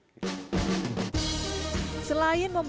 selain membuat tampilan yang lebih menarik